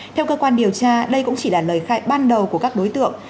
theo cơ quan điều tra đây cũng chỉ là lời khai ban đầu của các đối tượng